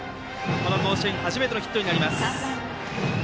この甲子園で初めてのヒットになります。